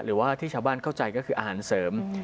หรือว่าที่ชาวบ้านเข้าใจก็คืออาหารเสริม